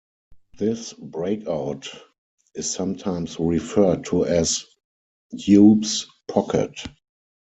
This breakout is sometimes referred to as Hube's Pocket.